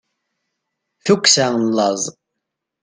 tukksa n laẓ